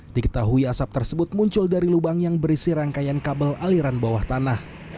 diketahui asap tersebut muncul dari lubang yang berisi rangkaian kabel aliran bawah tanah